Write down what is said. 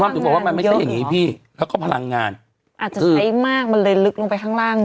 ถึงบอกว่ามันไม่ใช่อย่างนี้พี่แล้วก็พลังงานอาจจะใช้มากมันเลยลึกลงไปข้างล่าง